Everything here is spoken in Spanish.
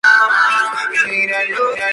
Éste aceptó y lo puso por escrito.